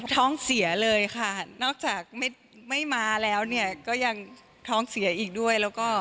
ท่องเสียเลยค่ะนอกจากไม่มาแล้วยังท่องเสียอีกด้วย